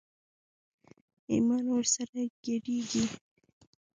ايمان ور سره ګډېږي.